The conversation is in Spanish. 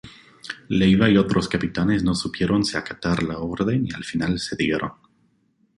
Leyva y otros capitanes no supieron si acatar la orden y al final cedieron.